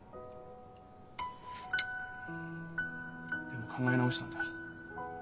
でも考え直したんだ。